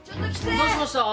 どうしました？